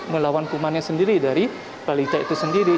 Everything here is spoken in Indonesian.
melawan kumannya sendiri dari balita itu sendiri